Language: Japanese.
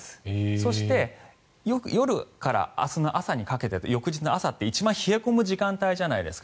そして、夜から翌日の朝って一番冷え込む時間帯じゃないですか。